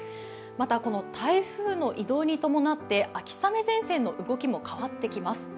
また、この台風の移動に伴って秋雨前線の動きも変わってきます。